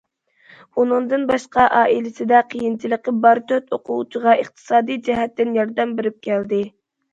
ئۇنىڭدىن باشقا ئائىلىسىدە قىيىنچىلىقى بار تۆت ئوقۇغۇچىغا ئىقتىسادىي جەھەتتىن ياردەم بېرىپ كەلدى.